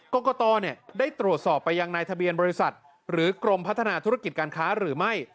กรกตได้ตรวจสอบไปยังนายทะเบียนบริษัทหรือกรมพัฒนาธุรกิจการค้าหรือไม่